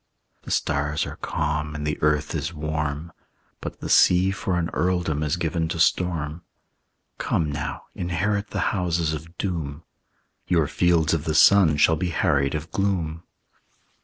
"The stars are calm, and the earth is warm, But the sea for an earldom is given to storm. "Come now, inherit the houses of doom; Your fields of the sun shall be harried of gloom."